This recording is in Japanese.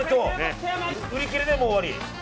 売り切れで、もう終わり？